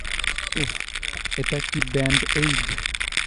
উহ, এটা কি ব্যান্ড-এইড?